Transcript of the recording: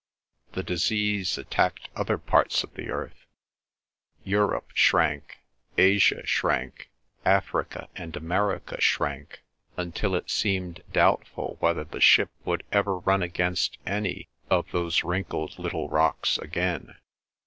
The disease attacked other parts of the earth; Europe shrank, Asia shrank, Africa and America shrank, until it seemed doubtful whether the ship would ever run against any of those wrinkled little rocks again.